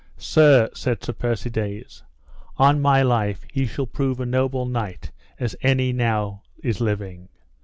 Sir, said Sir Persides, on my life he shall prove a noble knight as any now is living.